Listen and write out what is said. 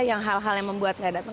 yang hal hal yang membuat gak datang